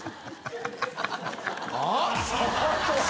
あっ？